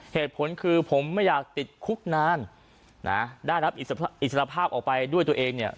เหตุผลคือผมไม่อยากติดคุกนานนะได้รับอิสระภาพออกไปด้วยตัวเองเนี่ย